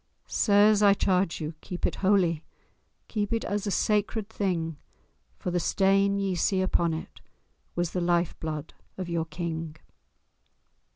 Sirs! I charge you, keep it holy; Keep it as a sacred thing, For the stain ye see upon it Was the life blood of your King!"